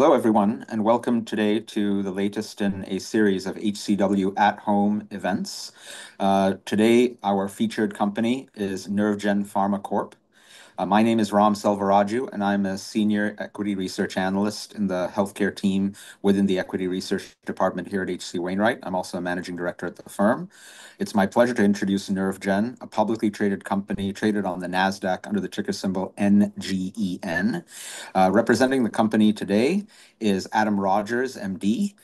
Hello everyone, welcome today to the latest in a series of HCW@Home events. Today our featured company is NervGen Pharma Corp. My name is Ram Selvaraju, and I'm a senior equity research analyst in the healthcare team within the equity research department here at H.C. Wainwright. I'm also a managing director at the firm. It's my pleasure to introduce NervGen, a publicly traded company traded on the Nasdaq under the ticker symbol NGEN. Representing the company today is Adam Rogers, MD,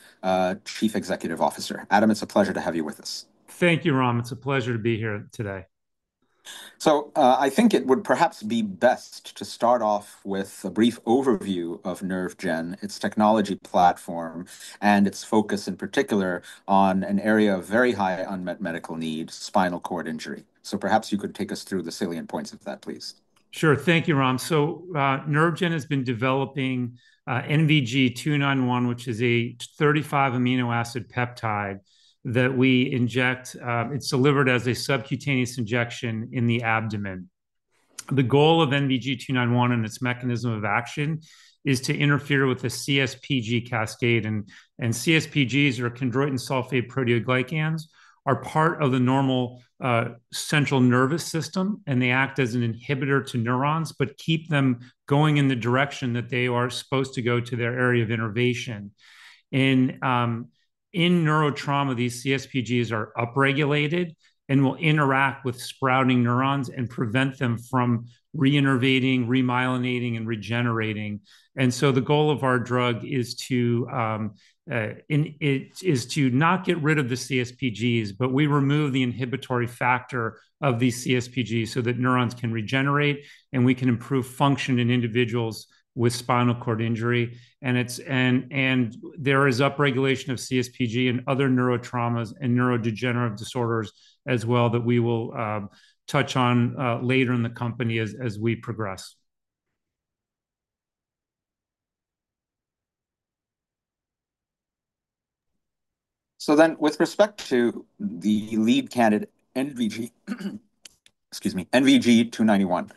Chief Executive Officer. Adam, it's a pleasure to have you with us. Thank you, Ram. It's a pleasure to be here today. I think it would perhaps be best to start off with a brief overview of NervGen, its technology platform, and its focus in particular on an area of very high unmet medical needs, spinal cord injury. Perhaps you could take us through the salient points of that, please. Sure. Thank you, Ram. NervGen has been developing NVG-291, which is a 35 amino acid peptide that we inject. It's delivered as a subcutaneous injection in the abdomen. The goal of NVG-291 and its mechanism of action is to interfere with the CSPG cascade. CSPGs are chondroitin sulfate proteoglycans, are part of the normal central nervous system, and they act as an inhibitor to neurons, but keep them going in the direction that they are supposed to go to their area of innervation. In neurotrauma, these CSPGs are upregulated and will interact with sprouting neurons and prevent them from reinnervating, remyelinating, and regenerating. The goal of our drug is to not get rid of the CSPGs, but we remove the inhibitory factor of the CSPG so that neurons can regenerate, and we can improve function in individuals with spinal cord injury. There is upregulation of CSPG in other neurotraumas and neurodegenerative disorders as well that we will touch on later in the company as we progress. With respect to the lead candidate, excuse me, NVG-291.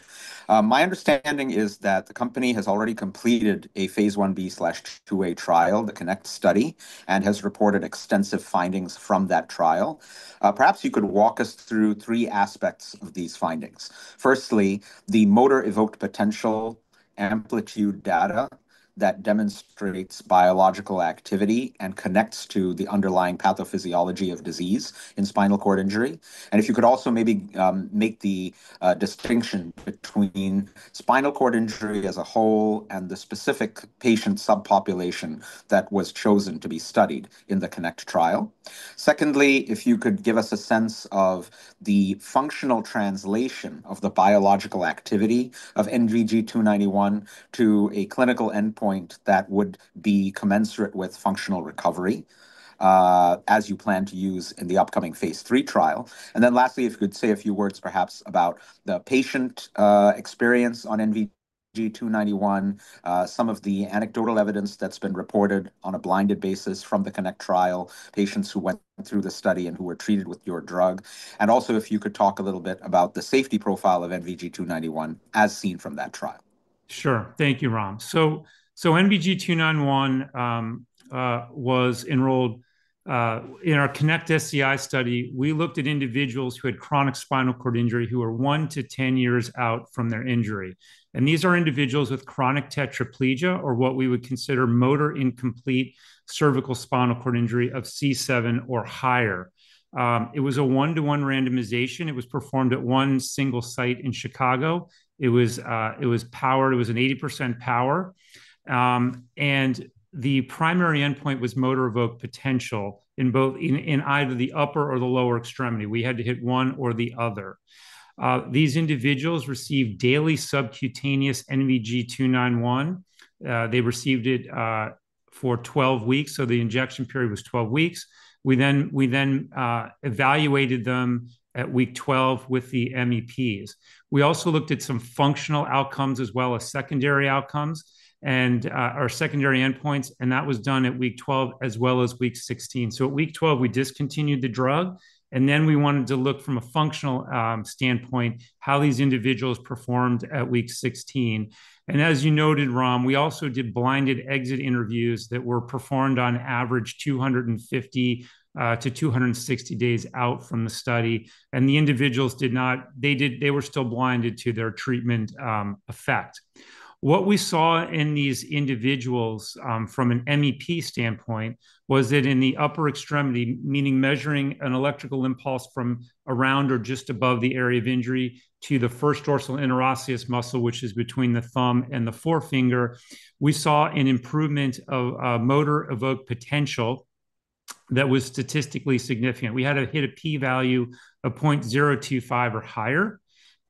My understanding is that the company has already completed a phase I-B/IIa trial, the CONNECT study, and has reported extensive findings from that trial. Perhaps you could walk us through three aspects of these findings. Firstly, the motor evoked potential amplitude data that demonstrates biological activity and connects to the underlying pathophysiology of disease in spinal cord injury. If you could also maybe make the distinction between spinal cord injury as a whole and the specific patient subpopulation that was chosen to be studied in the CONNECT trial. Secondly, if you could give us a sense of the functional translation of the biological activity of NVG-291 to a clinical endpoint that would be commensurate with functional recovery, as you plan to use in the upcoming phase III trial. Lastly, if you could say a few words perhaps about the patient experience on NVG-291. Some of the anecdotal evidence that's been reported on a blinded basis from the CONNECT trial, patients who went through the study and who were treated with your drug. Also, if you could talk a little bit about the safety profile of NVG-291 as seen from that trial. Sure. Thank you, Ram. NVG-291 was enrolled in our CONNECT SCI study. We looked at individuals who had chronic spinal cord injury, who are 1-10 years out from their injury. These are individuals with chronic tetraplegia or what we would consider motor incomplete cervical spinal cord injury of C7 or higher. It was a one-to-one randomization. It was performed at one single site in Chicago. It was an 80% power. The primary endpoint was motor evoked potential in either the upper or the lower extremity. We had to hit one or the other. These individuals received daily subcutaneous NVG-291. They received it for 12 weeks, so the injection period was 12 weeks. We evaluated them at week 12 with the MEPs. We also looked at some functional outcomes as well as secondary outcomes and our secondary endpoints, that was done at week 12 as well as week 16. At week 12, we discontinued the drug, then we wanted to look from a functional standpoint how these individuals performed at week 16. As you noted, Ram, we also did blinded exit interviews that were performed on average 250-260 days out from the study. The individuals were still blinded to their treatment effect. What we saw in these individuals, from an MEP standpoint, was that in the upper extremity, meaning measuring an electrical impulse from around or just above the area of injury to the first dorsal interosseous muscle, which is between the thumb and the forefinger. We saw an improvement of motor evoked potential that was statistically significant. We had to hit a p-value of 0.025 or higher.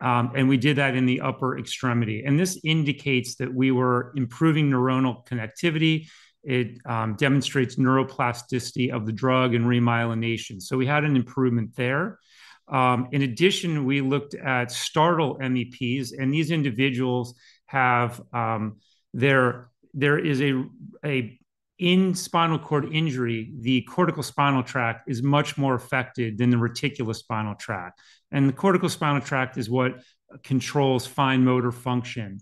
We did that in the upper extremity. This indicates that we were improving neuronal connectivity. It demonstrates neuroplasticity of the drug and remyelination. We had an improvement there. In addition, we looked at startle MEPs. In spinal cord injury, the corticospinal tract is much more affected than the reticulospinal tract. The corticospinal tract is what controls fine motor function.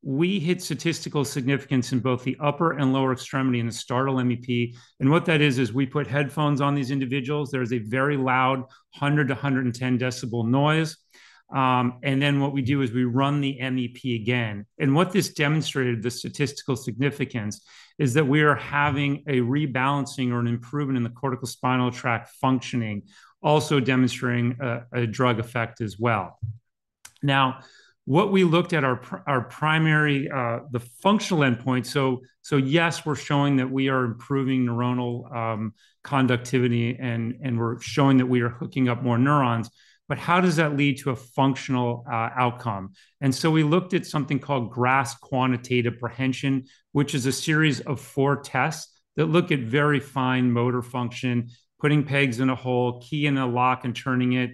We hit statistical significance in both the upper and lower extremity in the startle MEP. What that is is we put headphones on these individuals. There is a very loud 100-110 decibel noise. What we do is we run the MEP again. What this demonstrated, the statistical significance, is that we are having a rebalancing or an improvement in the corticospinal tract functioning, also demonstrating a drug effect as well. What we looked at, our primary, the functional endpoint. Yes, we're showing that we are improving neuronal conductivity, we're showing that we are hooking up more neurons. How does that lead to a functional outcome? We looked at something called GRASSP quantitative prehension, which is a series of four tests that look at very fine motor function, putting pegs in a hole, key in a lock, and turning it,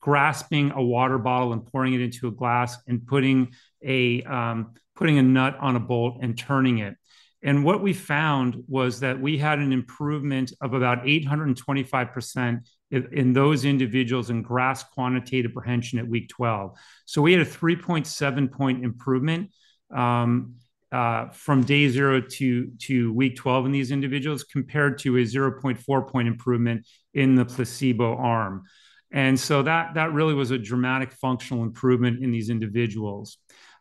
grasping a water bottle and pouring it into a glass, and putting a nut on a bolt and turning it. What we found was that we had an improvement of about 825% in those individuals in GRASSP quantitative prehension at week 12. We had a 3.7 point improvement from day zero to week 12 in these individuals compared to a 0.4 point improvement in the placebo arm. That really was a dramatic functional improvement in these individuals.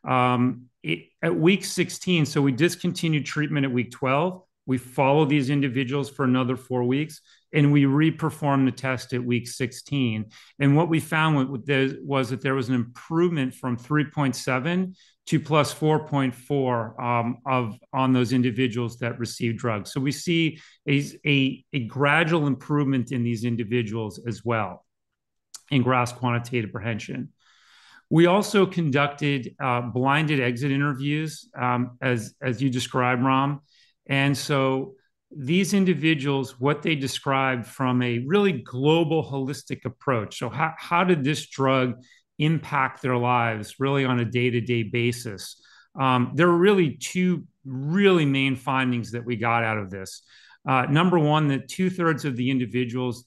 At week 16, we discontinued treatment at week 12. We follow these individuals for another four weeks, we reperform the test at week 16. What we found was that there was an improvement from 3.7 to +4.4 on those individuals that received drugs. We see a gradual improvement in these individuals as well in GRASSP quantitative prehension. We also conducted blinded exit interviews, as you described, Ram. These individuals, what they described from a really global holistic approach. How did this drug impact their lives really on a day-to-day basis? There were really two really main findings that we got out of this. Number one, that two-thirds of the individuals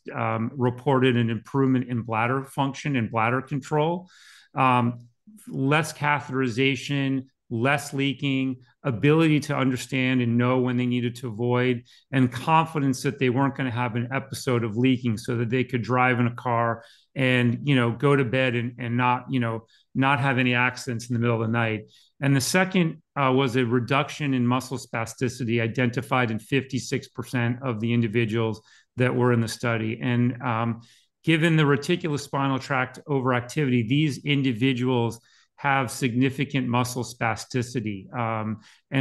reported an improvement in bladder function and bladder control. Less catheterization, less leaking, ability to understand and know when they needed to void, and confidence that they weren't going to have an episode of leaking so that they could drive in a car and go to bed and not have any accidents in the middle of the night. The second was a reduction in muscle spasticity identified in 56% of the individuals that were in the study. Given the reticulospinal tract overactivity, these individuals have significant muscle spasticity.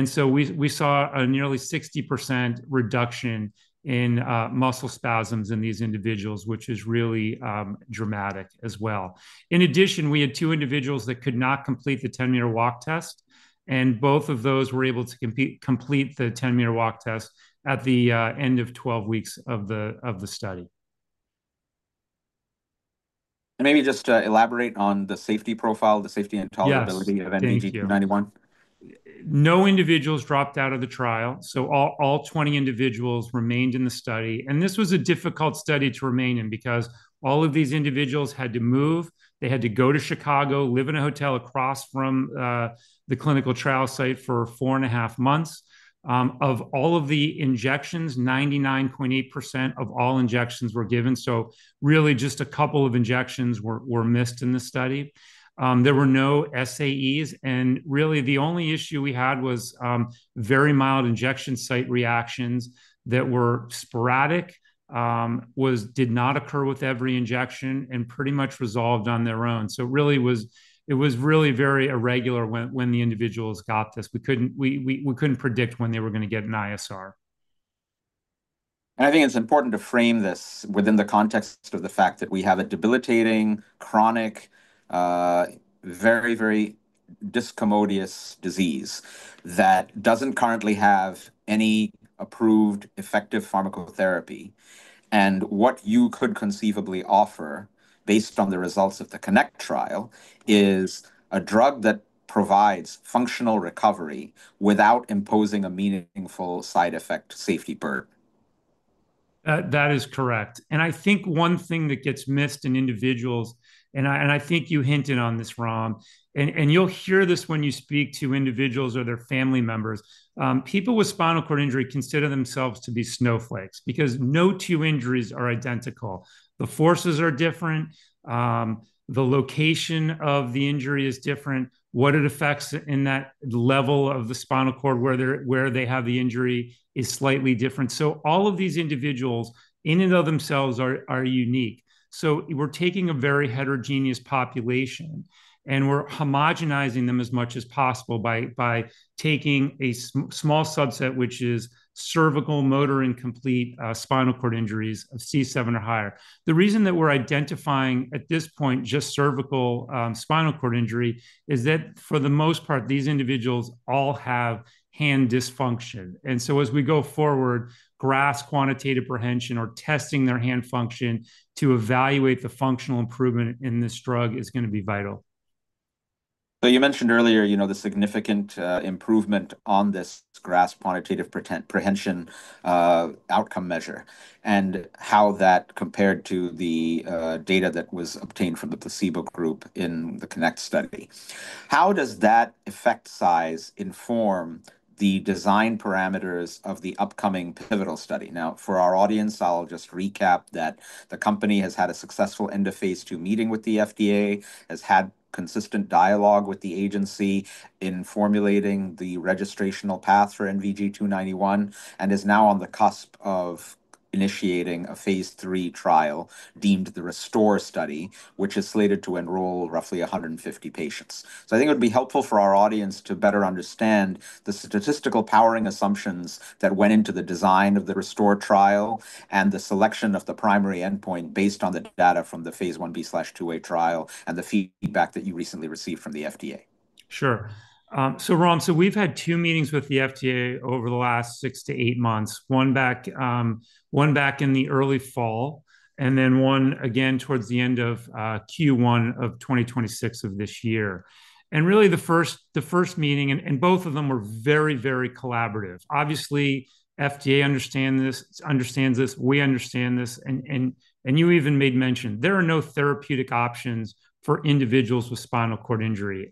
So we saw a nearly 60% reduction in muscle spasms in these individuals, which is really dramatic as well. In addition, we had two individuals that could not complete the 10-meter walk test. Both of those were able to complete the 10-meter walk test at the end of 12 weeks of the study. Maybe just to elaborate on the safety profile, the safety and tolerability- Yes of NVG-291. Thank you. No individuals dropped out of the trial, all 20 individuals remained in the study. This was a difficult study to remain in because all of these individuals had to move. They had to go to Chicago, live in a hotel across from the clinical trial site for four and a half months. Of all of the injections, 99.8% of all injections were given. Really, just a couple of injections were missed in the study. There were no SAEs, and really the only issue we had was very mild injection site reactions that were sporadic, did not occur with every injection, and pretty much resolved on their own. It was really very irregular when the individuals got this. We couldn't predict when they were going to get an ISR. I think it's important to frame this within the context of the fact that we have a debilitating, chronic, very, very discommodious disease that doesn't currently have any approved effective pharmacotherapy. What you could conceivably offer based on the results of the CONNECT trial is a drug that provides functional recovery without imposing a meaningful side effect safety burden. That is correct. I think one thing that gets missed in individuals, and I think you hinted on this, Ram, and you'll hear this when you speak to individuals or their family members. People with spinal cord injury consider themselves to be snowflakes because no two injuries are identical. The forces are different. The location of the injury is different. What it affects in that level of the spinal cord, where they have the injury is slightly different. All of these individuals in and of themselves are unique. We're taking a very heterogeneous population, and we're homogenizing them as much as possible by taking a small subset, which is cervical motor incomplete spinal cord injuries of C7 or higher. The reason that we're identifying at this point just cervical spinal cord injury is that for the most part, these individuals all have hand dysfunction. As we go forward, grasp quantitative prehension or testing their hand function to evaluate the functional improvement in this drug is going to be vital. You mentioned earlier the significant improvement on this GRASSP quantitative prehension outcome measure and how that compared to the data that was obtained from the placebo group in the CONNECT study. How does that effect size inform the design parameters of the upcoming pivotal study? Now, for our audience, I'll just recap that the company has had a successful end-of-phase II meeting with the FDA, has had consistent dialogue with the agency in formulating the registrational path for NVG-291, and is now on the cusp of initiating a phase III trial deemed the RESTORE study, which is slated to enroll roughly 150 patients. I think it would be helpful for our audience to better understand the statistical powering assumptions that went into the design of the RESTORE trial and the selection of the primary endpoint based on the data from the phase I-B/IIa trial and the feedback that you recently received from the FDA. Sure. Ram, we've had two meetings with the FDA over the last six to eight months, one back in the early fall, and then one again towards the end of Q1 of 2026 of this year. Really the first meeting, and both of them were very collaborative. Obviously, FDA understands this, we understand this, and you even made mention. There are no therapeutic options for individuals with spinal cord injury.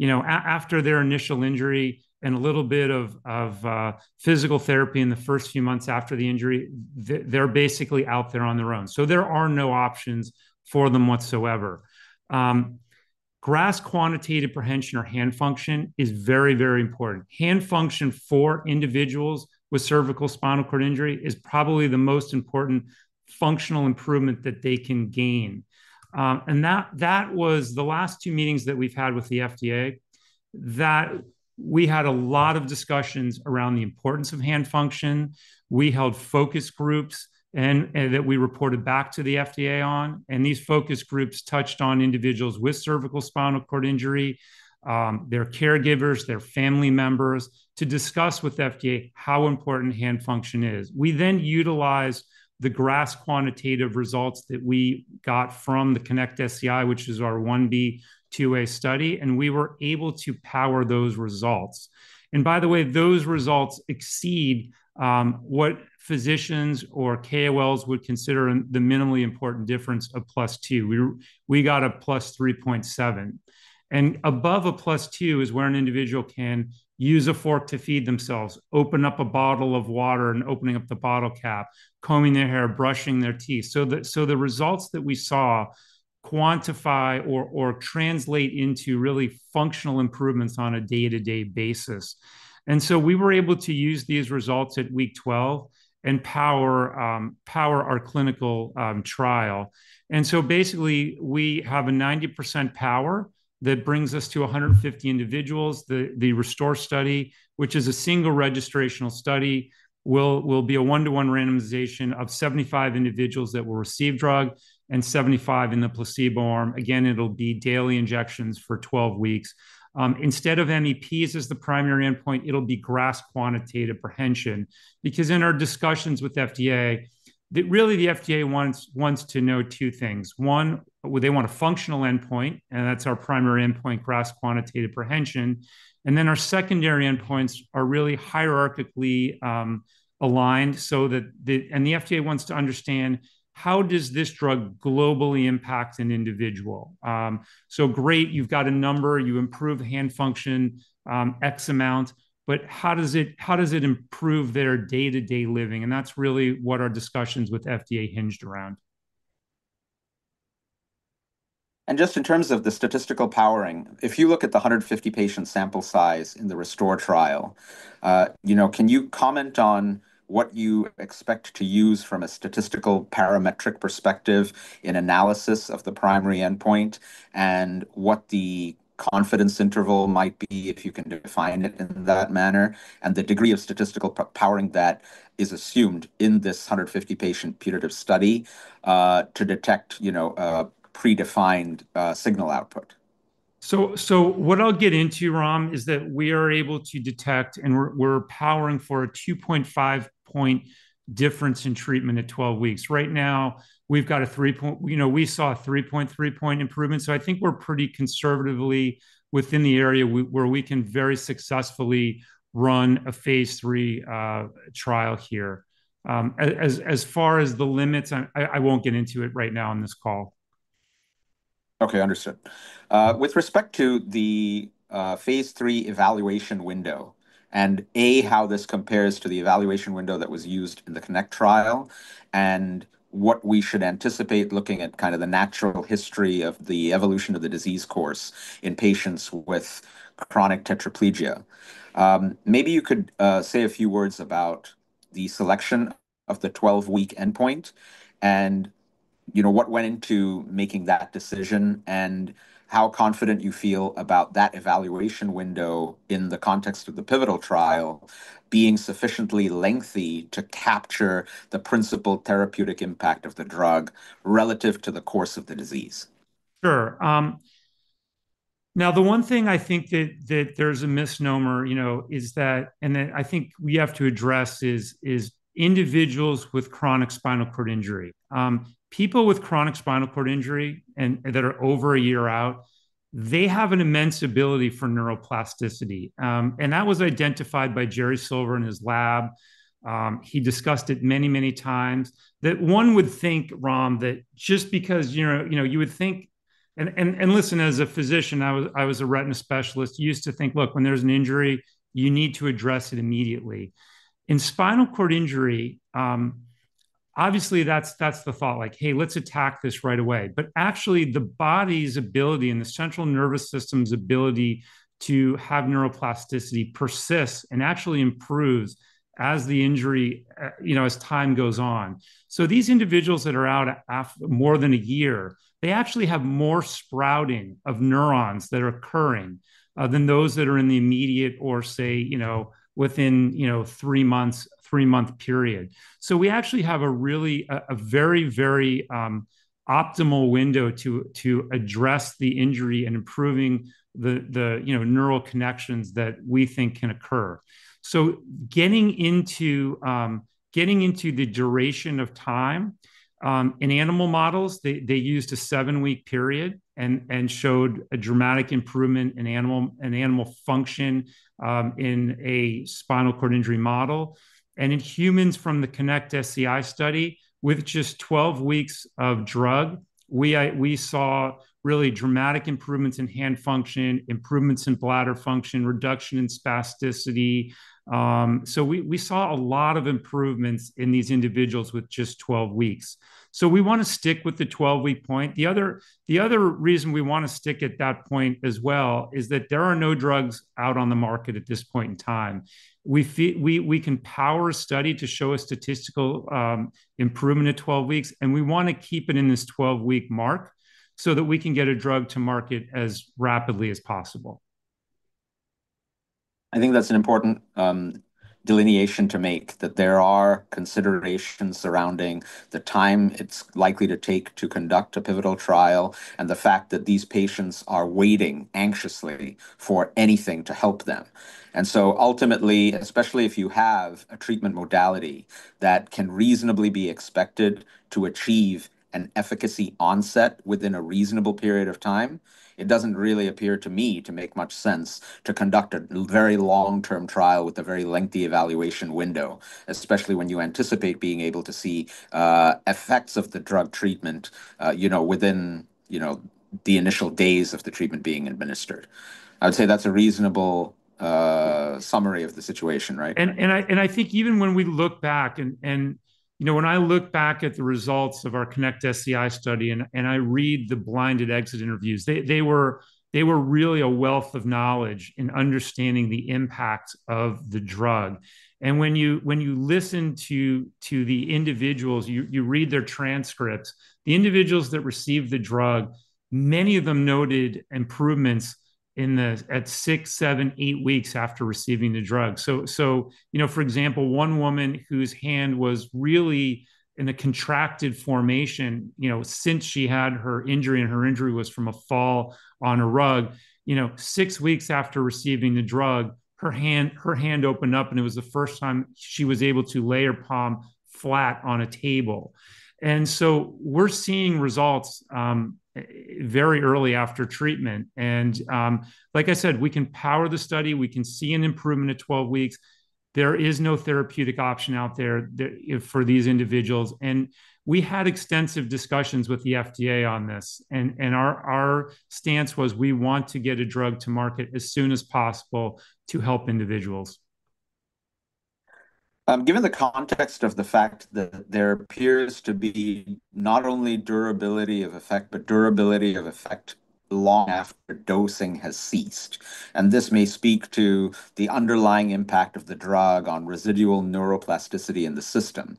After their initial injury and a little bit of physical therapy in the first few months after the injury, they're basically out there on their own. There are no options for them whatsoever. GRASSP quantitative prehension or hand function is very important. Hand function for individuals with cervical spinal cord injury is probably the most important functional improvement that they can gain. That was the last two meetings that we've had with the FDA, that we had a lot of discussions around the importance of hand function. We held focus groups that we reported back to the FDA on, and these focus groups touched on individuals with cervical spinal cord injury, their caregivers, their family members, to discuss with FDA how important hand function is. We then utilized the GRASSP quantitative results that we got from the CONNECT SCI, which is our phase I-B/IIa study, and we were able to power those results. By the way, those results exceed what physicians or KOLs would consider the minimally important difference of plus two. We got a plus 3.7. Above a +2 is where an individual can use a fork to feed themselves, open up a bottle of water, opening up the bottle cap, combing their hair, brushing their teeth. The results that we saw quantify or translate into really functional improvements on a day-to-day basis. We were able to use these results at week 12 and power our clinical trial. Basically, we have a 90% power that brings us to 150 individuals. The RESTORE study, which is a single registrational study, will be a 1-to-1 randomization of 75 individuals that will receive drug and 75 in the placebo arm. Again, it'll be daily injections for 12 weeks. Instead of MEPs as the primary endpoint, it'll be GRASSP quantitative prehension. In our discussions with FDA, really the FDA wants to know two things. One, they want a functional endpoint, and that's our primary endpoint, GRASSP quantitative prehension. Our secondary endpoints are really hierarchically aligned, and the FDA wants to understand how does this drug globally impact an individual. Great, you've got a number, you improve hand function X amount, but how does it improve their day-to-day living? That's really what our discussions with FDA hinged around. Just in terms of the statistical powering, if you look at the 150-patient sample size in the RESTORE trial, can you comment on what you expect to use from a statistical parametric perspective in analysis of the primary endpoint, and what the confidence interval might be, if you can define it in that manner, and the degree of statistical powering that is assumed in this 150-patient period of study to detect a predefined signal output? What I'll get into, Ram, is that we are able to detect, and we're powering for a 2.5-point difference in treatment at 12 weeks. Right now, we saw a 3.3-point improvement, so I think we're pretty conservatively within the area where we can very successfully run a phase III trial here. As far as the limits, I won't get into it right now on this call. Okay, understood. With respect to the phase III evaluation window, and A, how this compares to the evaluation window that was used in the CONNECT trial, and what we should anticipate looking at kind of the natural history of the evolution of the disease course in patients with chronic tetraplegia. Maybe you could say a few words about the selection of the 12-week endpoint and what went into making that decision and how confident you feel about that evaluation window in the context of the pivotal trial being sufficiently lengthy to capture the principal therapeutic impact of the drug relative to the course of the disease. Sure. The one thing I think that there's a misnomer, and that I think we have to address is individuals with chronic spinal cord injury. People with chronic spinal cord injury that are over a year out. They have an immense ability for neuroplasticity. That was identified by Jerry Silver in his lab. He discussed it many, many times. That one would think, Ram, that just because you would think. Listen, as a physician, I was a retina specialist, you used to think, look, when there's an injury, you need to address it immediately. In spinal cord injury, obviously, that's the thought, like, "Hey, let's attack this right away." Actually, the body's ability and the central nervous system's ability to have neuroplasticity persists and actually improves as time goes on. These individuals that are out more than a year, they actually have more sprouting of neurons that are occurring, than those that are in the immediate or say, within three-month period. We actually have a really a very optimal window to address the injury and improving the neural connections that we think can occur. Getting into the duration of time, in animal models, they used a seven-week period and showed a dramatic improvement in animal function, in a spinal cord injury model. In humans from the CONNECT SCI study, with just 12 weeks of drug, we saw really dramatic improvements in hand function, improvements in bladder function, reduction in spasticity. We saw a lot of improvements in these individuals with just 12 weeks. We want to stick with the 12-week point. The other reason we want to stick at that point as well is that there are no drugs out on the market at this point in time. We can power a study to show a statistical improvement at 12 weeks. We want to keep it in this 12-week mark so that we can get a drug to market as rapidly as possible. I think that's an important delineation to make, that there are considerations surrounding the time it's likely to take to conduct a pivotal trial, and the fact that these patients are waiting anxiously for anything to help them. Ultimately, especially if you have a treatment modality that can reasonably be expected to achieve an efficacy onset within a reasonable period of time, it doesn't really appear to me to make much sense to conduct a very long-term trial with a very lengthy evaluation window, especially when you anticipate being able to see effects of the drug treatment within the initial days of the treatment being administered. I would say that's a reasonable summary of the situation, right? I think even when we look back and when I look back at the results of our CONNECT SCI study and I read the blinded exit interviews, they were really a wealth of knowledge in understanding the impact of the drug. When you listen to the individuals, you read their transcripts, the individuals that received the drug, many of them noted improvements at six, seven, eight weeks after receiving the drug. For example, one woman whose hand was really in a contracted formation since she had her injury, and her injury was from a fall on a rug. Six weeks after receiving the drug, her hand opened up, and it was the first time she was able to lay her palm flat on a table. We're seeing results very early after treatment. Like I said, we can power the study. We can see an improvement at 12 weeks. There is no therapeutic option out there for these individuals. We had extensive discussions with the FDA on this, and our stance was we want to get a drug to market as soon as possible to help individuals. Given the context of the fact that there appears to be not only durability of effect, but durability of effect long after dosing has ceased, and this may speak to the underlying impact of the drug on residual neuroplasticity in the system.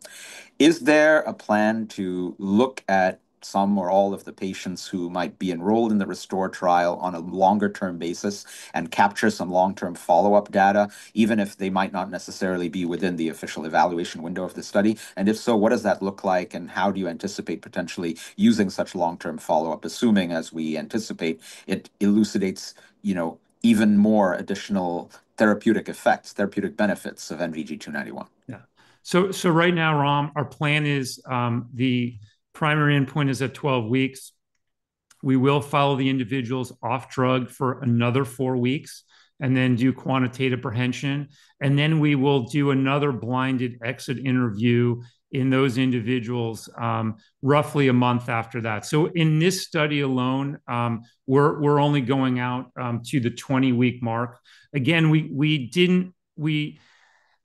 Is there a plan to look at some or all of the patients who might be enrolled in the RESTORE trial on a longer-term basis and capture some long-term follow-up data, even if they might not necessarily be within the official evaluation window of the study? If so, what does that look like, and how do you anticipate potentially using such long-term follow-up, assuming, as we anticipate, it elucidates even more additional therapeutic effects, therapeutic benefits of NVG-291? Right now, Ram, our plan is the primary endpoint is at 12 weeks. We will follow the individuals off drug for another four weeks and then do quantitative prehension, and then we will do another blinded exit interview in those individuals roughly a month after that. In this study alone, we're only going out to the 20-week mark. Again,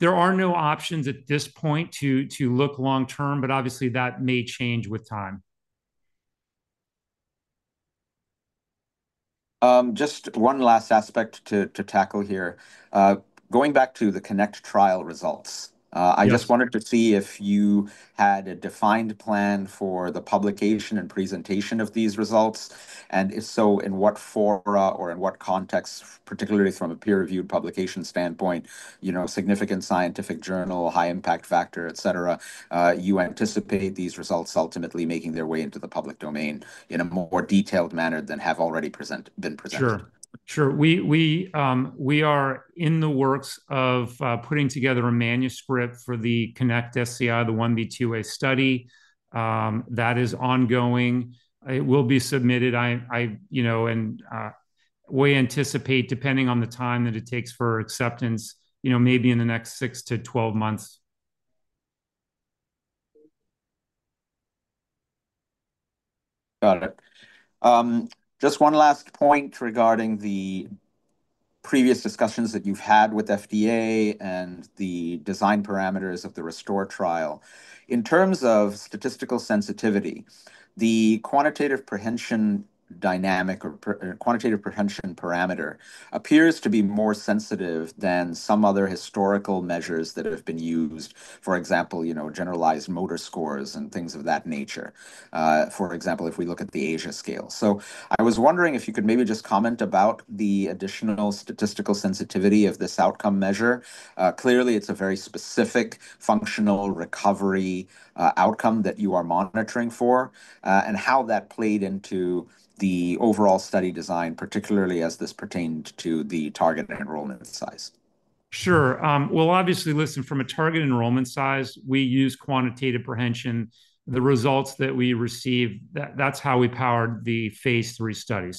there are no options at this point to look long-term, but obviously, that may change with time. Just one last aspect to tackle here. Going back to the CONNECT trial results. Yes I just wanted to see if you had a defined plan for the publication and presentation of these results, and if so, in what fora or in what context, particularly from a peer-reviewed publication standpoint, significant scientific journal, high impact factor, et cetera, you anticipate these results ultimately making their way into the public domain in a more detailed manner than have already been presented? Sure. We are in the works of putting together a manuscript for the CONNECT SCI, the phase I-B/II-A study. That is ongoing. It will be submitted, and we anticipate, depending on the time that it takes for acceptance, maybe in the next six to 12 months. Got it. Just one last point regarding the previous discussions that you've had with FDA and the design parameters of the RESTORE trial. In terms of statistical sensitivity, the quantitative prehension dynamic, or quantitative prehension parameter appears to be more sensitive than some other historical measures that have been used. For example, generalized motor scores and things of that nature. For example, if we look at the ASIA scale. I was wondering if you could maybe just comment about the additional statistical sensitivity of this outcome measure. Clearly, it's a very specific functional recovery outcome that you are monitoring for, and how that played into the overall study design, particularly as this pertained to the target enrollment size. Sure. Well, obviously, listen, from a target enrollment size, we use quantitative prehension. The results that we received, that's how we powered the phase III study.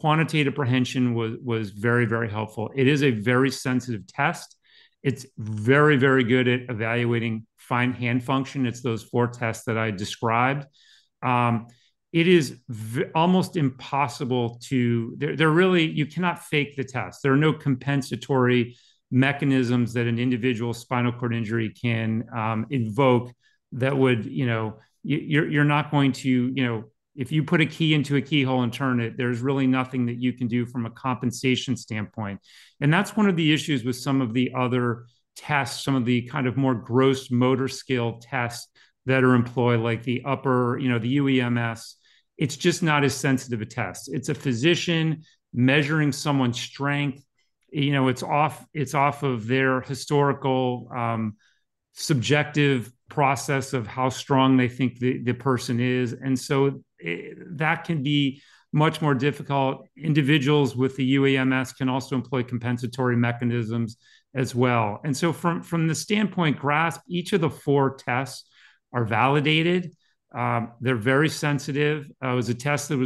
Quantitative prehension was very, very helpful. It is a very sensitive test. It's very, very good at evaluating fine hand function. It's those four tests that I described. You cannot fake the test. There are no compensatory mechanisms that an individual spinal cord injury can invoke. If you put a key into a keyhole and turn it, there's really nothing that you can do from a compensation standpoint. That's one of the issues with some of the other tests, some of the more gross motor skill tests that are employed, like the UEMS. It's just not as sensitive a test. It's a physician measuring someone's strength. It's off of their historical, subjective process of how strong they think the person is. From the standpoint GRASSP, each of the four tests are validated. They're very sensitive. It was a test that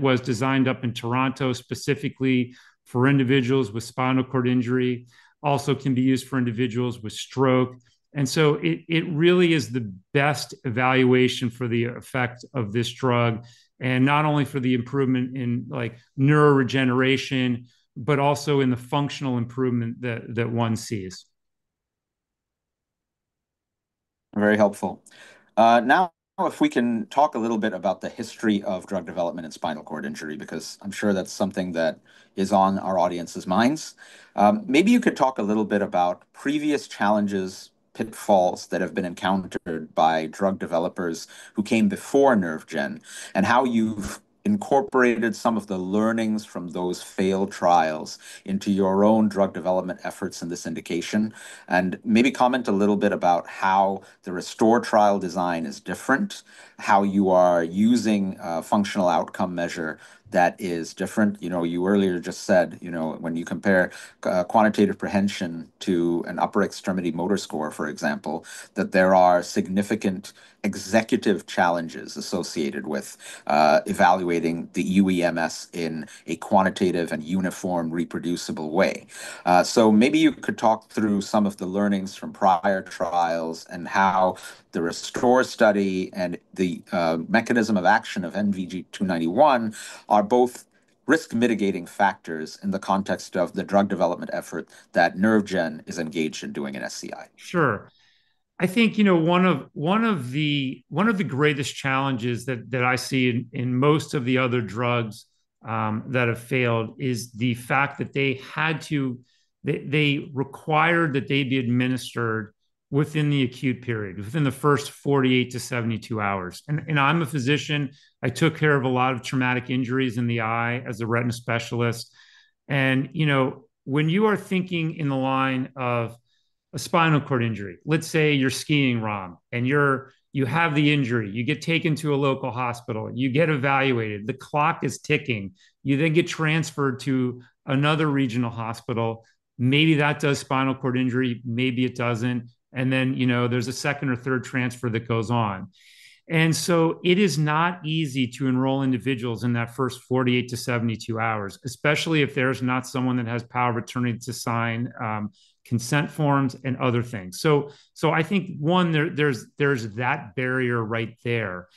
was designed up in Toronto specifically for individuals with spinal cord injury, also can be used for individuals with stroke. It really is the best evaluation for the effect of this drug, and not only for the improvement in neural regeneration, but also in the functional improvement that one sees. Very helpful. Now if we can talk a little bit about the history of drug development in spinal cord injury, because I'm sure that's something that is on our audience's minds. Maybe you could talk a little bit about previous challenges, pitfalls that have been encountered by drug developers who came before NervGen, and how you've incorporated some of the learnings from those failed trials into your own drug development efforts in this indication. Maybe comment a little bit about how the RESTORE trial design is different, how you are using a functional outcome measure that is different. You earlier just said, when you compare quantitative prehension to an upper extremity motor score, for example, that there are significant executive challenges associated with evaluating the UEMS in a quantitative and uniform reproducible way. maybe you could talk through some of the learnings from prior trials and how the RESTORE study and the mechanism of action of NVG-291 are both risk mitigating factors in the context of the drug development effort that NervGen is engaged in doing in SCI. Sure. I think one of the greatest challenges that I see in most of the other drugs that have failed is the fact that they required that they be administered within the acute period, within the first 48 to 72 hours. I'm a physician. I took care of a lot of traumatic injuries in the eye as a retina specialist. When you are thinking in the line of a spinal cord injury, let's say you're skiing, Ram, and you have the injury. You get taken to a local hospital. You get evaluated. The clock is ticking. You then get transferred to another regional hospital. Maybe that does spinal cord injury, maybe it doesn't. Then, there's a second or third transfer that goes on. It is not easy to enroll individuals in that first 48 to 72 hours, especially if there's not someone that has power of attorney to sign consent forms and other things. I think, one, there's that barrier right there.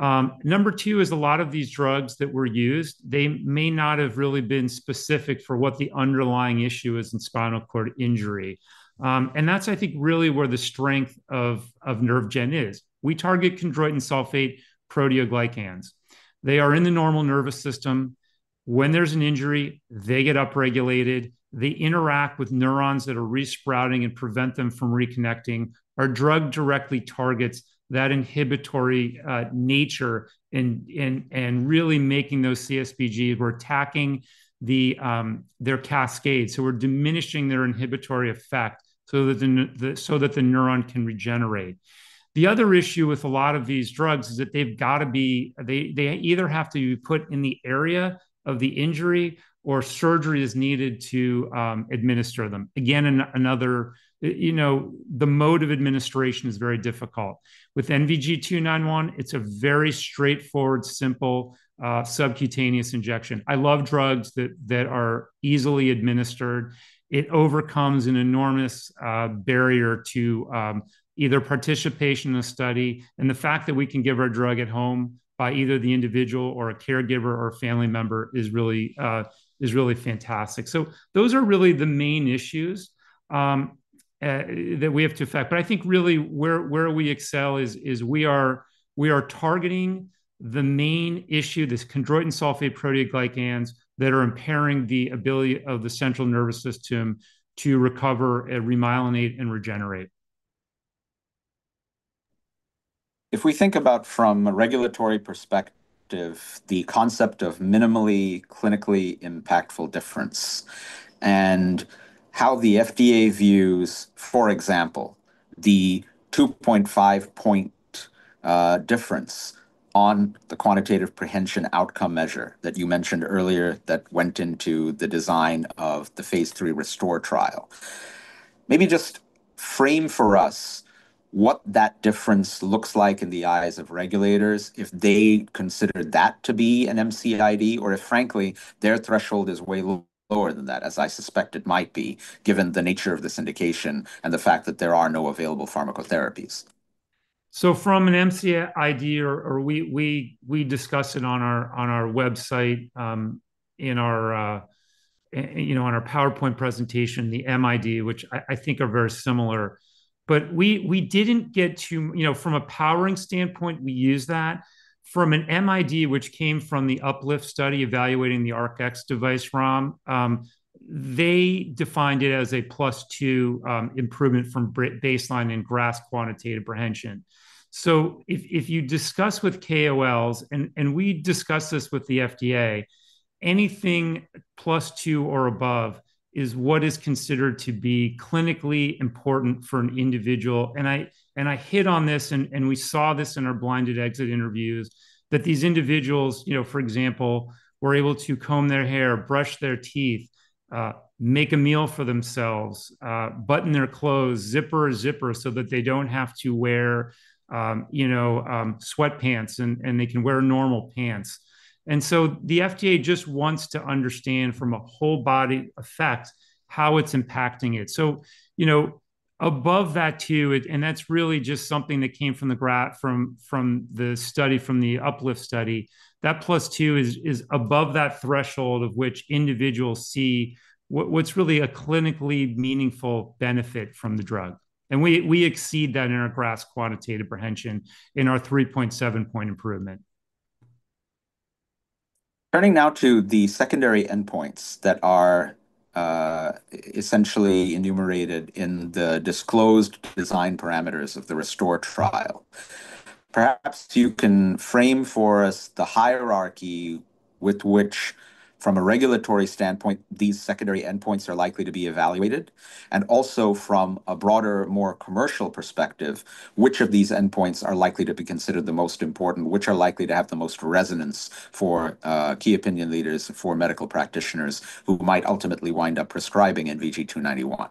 Number two is a lot of these drugs that were used, they may not have really been specific for what the underlying issue is in spinal cord injury. That's I think really where the strength of NervGen is. We target chondroitin sulfate proteoglycans. They are in the normal nervous system. When there's an injury, they get upregulated. They interact with neurons that are resprouting and prevent them from reconnecting. Our drug directly targets that inhibitory nature and really making those CSPGs, we're attacking their cascade. We're diminishing their inhibitory effect so that the neuron can regenerate. The other issue with a lot of these drugs is that they either have to be put in the area of the injury or surgery is needed to administer them. Again, the mode of administration is very difficult. With NVG-291, it's a very straightforward, simple, subcutaneous injection. I love drugs that are easily administered. It overcomes an enormous barrier to either participation in a study, the fact that we can give our drug at home by either the individual or a caregiver or a family member is really fantastic. Those are really the main issues that we have to affect. I think really where we excel is we are targeting the main issue, this chondroitin sulfate proteoglycans, that are impairing the ability of the central nervous system to recover, remyelinate, and regenerate. We think about from a regulatory perspective, the concept of minimally clinically impactful difference, and how the FDA views, for example, the 2.5 point difference on the quantitative prehension outcome measure that you mentioned earlier that went into the design of the phase III RESTORE trial. Maybe just frame for us what that difference looks like in the eyes of regulators. If they consider that to be an MCID or if, frankly, their threshold is way lower than that, as I suspect it might be, given the nature of this indication and the fact that there are no available pharmacotherapies. From an MCID, we discuss it on our website, in our PowerPoint presentation, the MID, which I think are very similar. From a powering standpoint, we use that. From an MID, which came from the Up-LIFT study evaluating the ARC-EX device, Ram, they defined it as a plus two improvement from baseline in GRASSP quantitative prehension. If you discuss with KOLs, and we discussed this with the FDA, anything plus two or above is what is considered to be clinically important for an individual. I hit on this, and we saw this in our blinded exit interviews, that these individuals, for example, were able to comb their hair, brush their teeth, make a meal for themselves, button their clothes, zipper a zipper so that they don't have to wear sweatpants, and they can wear normal pants. The FDA just wants to understand from a whole body effect how it's impacting it. Above that two, and that's really just something that came from the study, from the Up-LIFT study. That plus two is above that threshold of which individuals see what's really a clinically meaningful benefit from the drug. We exceed that in our GRASSP quantitative prehension in our 3.7 point improvement. Turning now to the secondary endpoints that are essentially enumerated in the disclosed design parameters of the RESTORE trial. Perhaps you can frame for us the hierarchy with which, from a regulatory standpoint, these secondary endpoints are likely to be evaluated, and also from a broader, more commercial perspective, which of these endpoints are likely to be considered the most important, which are likely to have the most resonance for key opinion leaders, for medical practitioners who might ultimately wind up prescribing NVG-291.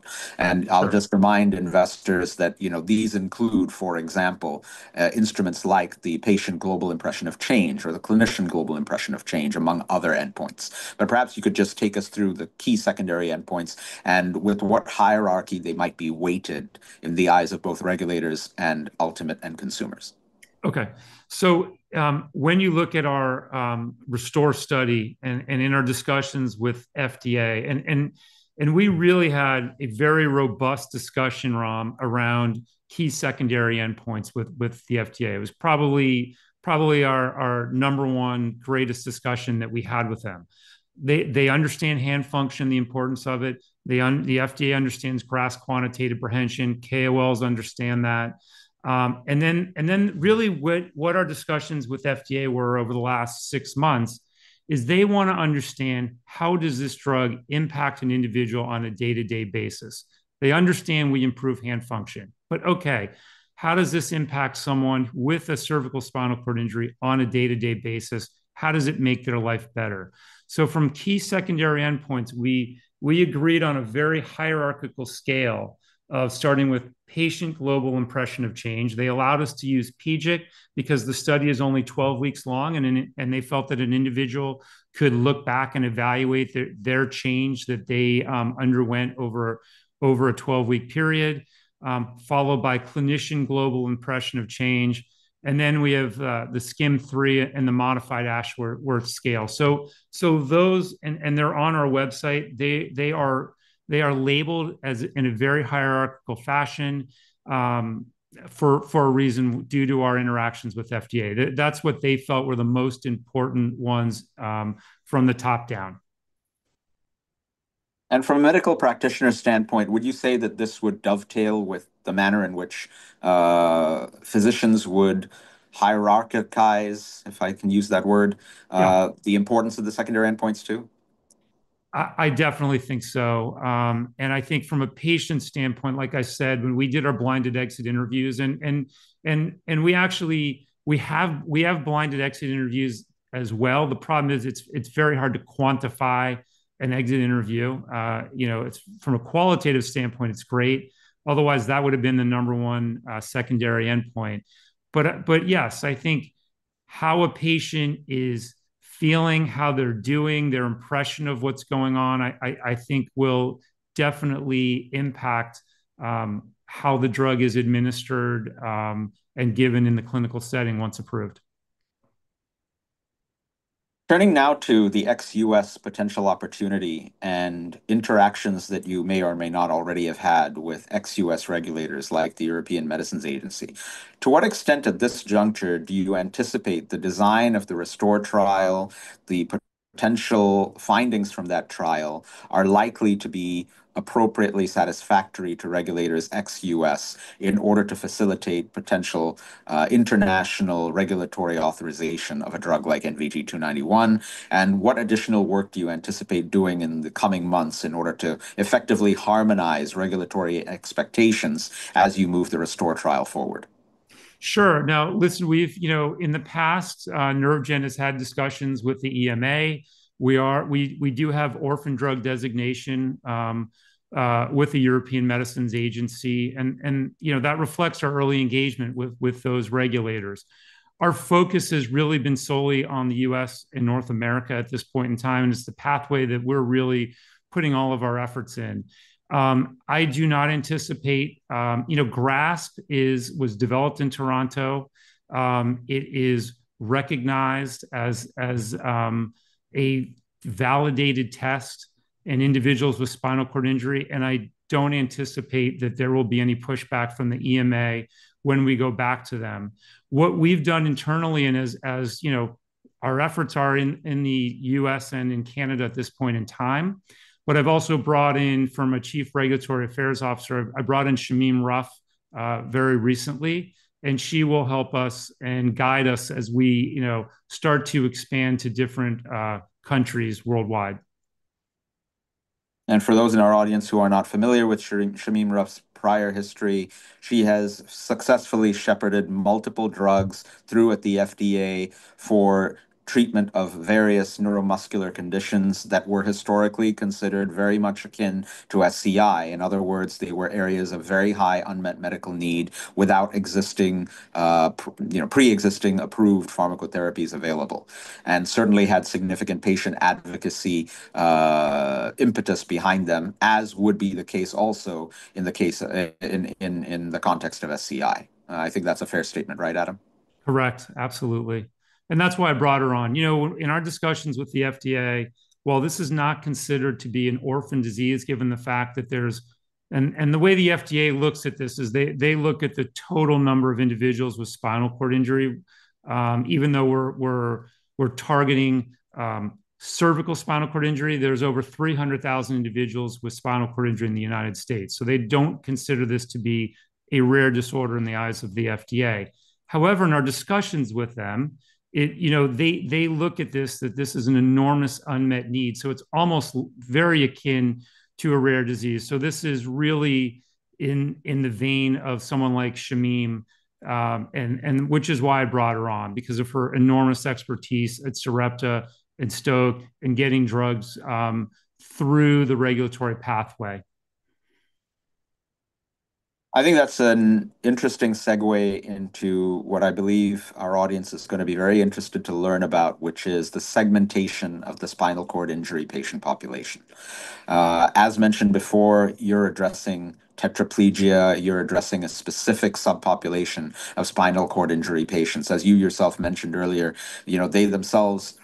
I'll just remind investors that these include, for example, instruments like the Patient Global Impression of Change or the Clinician Global Impression of Change, among other endpoints. Perhaps you could just take us through the key secondary endpoints and with what hierarchy they might be weighted in the eyes of both regulators and ultimate end consumers. When you look at our RESTORE study and in our discussions with FDA, we really had a very robust discussion, Ram, around key secondary endpoints with the FDA. It was probably our number one greatest discussion that we had with them. They understand hand function, the importance of it. The FDA understands GRASSP quantitative prehension, KOLs understand that. Really what our discussions with FDA were over the last six months is they want to understand how does this drug impact an individual on a day-to-day basis. They understand we improve hand function, okay, how does this impact someone with a cervical spinal cord injury on a day-to-day basis? How does it make their life better? From key secondary endpoints, we agreed on a very hierarchical scale of starting with Patient Global Impression of Change. They allowed us to use PGIC because the study is only 12 weeks long, they felt that an individual could look back and evaluate their change that they underwent over a 12-week period, followed by Clinician Global Impression of Change. We have the SCIM-III and the Modified Ashworth Scale. They're on our website. They are labeled in a very hierarchical fashion for a reason due to our interactions with FDA. That's what they felt were the most important ones from the top down. From a medical practitioner's standpoint, would you say that this would dovetail with the manner in which physicians would hierarchize, if I can use that word- Yeah the importance of the secondary endpoints too? I definitely think so. I think from a patient standpoint, like I said, when we did our blinded exit interviews, and we have blinded exit interviews as well. The problem is it's very hard to quantify an exit interview. From a qualitative standpoint, it's great. Otherwise, that would've been the number one secondary endpoint. Yes, I think how a patient is feeling, how they're doing, their impression of what's going on, I think will definitely impact how the drug is administered and given in the clinical setting once approved. Turning now to the ex-U.S. potential opportunity and interactions that you may or may not already have had with ex-U.S. regulators, like the European Medicines Agency. To what extent at this juncture do you anticipate the design of the RESTORE trial, the potential findings from that trial, are likely to be appropriately satisfactory to regulators ex-U.S. in order to facilitate potential international regulatory authorization of a drug like NVG-291? What additional work do you anticipate doing in the coming months in order to effectively harmonize regulatory expectations as you move the RESTORE trial forward? Sure. Now, listen, in the past, NervGen has had discussions with the EMA. We do have orphan drug designation with the European Medicines Agency, that reflects our early engagement with those regulators. Our focus has really been solely on the U.S. and North America at this point in time, it's the pathway that we're really putting all of our efforts in. GRASSP was developed in Toronto. It is recognized as a validated test in individuals with spinal cord injury, I don't anticipate that there will be any pushback from the EMA when we go back to them. What we've done internally and as our efforts are in the U.S. and in Canada at this point in time, but I've also brought in from a Chief Regulatory Affairs Officer, I brought in Shamim Ruff very recently, and she will help us and guide us as we start to expand to different countries worldwide. For those in our audience who are not familiar with Shamim Ruff's prior history, she has successfully shepherded multiple drugs through at the FDA for treatment of various neuromuscular conditions that were historically considered very much akin to SCI. In other words, they were areas of very high unmet medical need without pre-existing approved pharmacotherapies available, and certainly had significant patient advocacy impetus behind them, as would be the case also in the context of SCI. I think that's a fair statement, right, Adam? Correct. Absolutely. That's why I brought her on. In our discussions with the FDA, while this is not considered to be an orphan disease, given the fact that The way the FDA looks at this is they look at the total number of individuals with spinal cord injury, even though we're targeting cervical spinal cord injury. There's over 300,000 individuals with spinal cord injury in the United States, so they don't consider this to be a rare disorder in the eyes of the FDA. However, in our discussions with them, they look at this, that this is an enormous unmet need. It's almost very akin to a rare disease. This is really in the vein of someone like Shamim, which is why I brought her on, because of her enormous expertise at Sarepta and Stoke and getting drugs through the regulatory pathway. I think that's an interesting segue into what I believe our audience is going to be very interested to learn about, which is the segmentation of the spinal cord injury patient population. As mentioned before, you're addressing tetraplegia, you're addressing a specific subpopulation of spinal cord injury patients. As you yourself mentioned earlier, they themselves